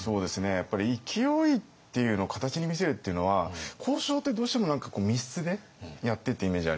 やっぱり勢いっていうのを形に見せるっていうのは交渉ってどうしても何か密室でやってっていうイメージありますけれども。